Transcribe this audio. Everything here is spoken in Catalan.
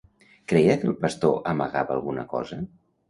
Creia que el pastor amagava alguna cosa?